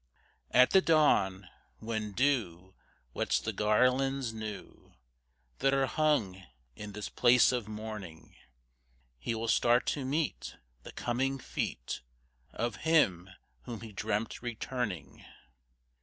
At the dawn, when dew Wets the garlands new That are hung in this place of mourning, He will start to meet The coming feet Of him whom he dreamt returning.